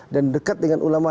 dan dekat dengan ulama